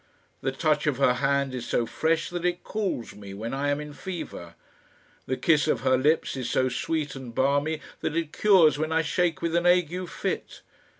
The touch of her hand is so fresh that it cools me when I am in fever. The kiss of her lips is so sweet and balmy that it cures when I shake with an ague fit.